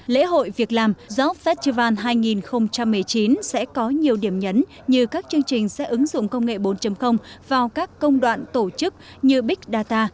lễ hội việc làm job festival hai nghìn một mươi chín sẽ có nhiều điểm nhấn như các chương trình sẽ ứng dụng công nghệ bốn vào các công đoạn tổ chức như big data